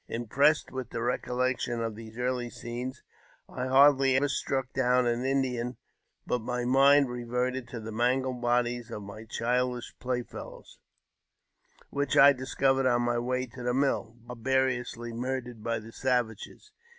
Impressed j with the recollection of these early scenes, I hardly ever struck ! down an Indian but my mind reverted to the mangled bodies ; of my childish play fellows, which I discovered on my way to the mill, barbarously murdered by the savages.